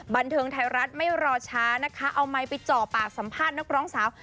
บันเทิงไทยรัฐไม่รอช้านะคะเอาไมค์ไปจ่อปากสัมภาษณ์นักร้องสาว